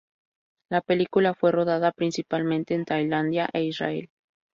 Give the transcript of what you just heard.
La película fue rodada principalmente en Tailandia e Israel.